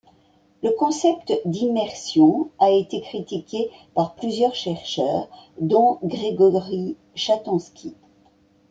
Le concept d'immersion a été critiqué par plusieurs chercheurs, dont Grégory Chatonsky.